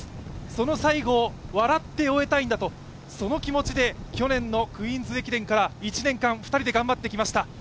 その最後を笑って終えたいんだと、その気持ちで去年のクイーンズ駅伝から１年間、２人で頑張ってきました。